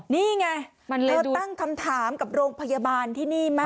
นี่ไงเธอตั้งคำถามกับโรงพยาบาลที่นี่ไหม